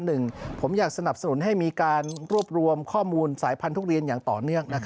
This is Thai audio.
หนึ่งผมอยากสนับสนุนให้มีการรวบรวมข้อมูลสายพันธุเรียนอย่างต่อเนื่อง